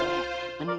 mendingan di rumah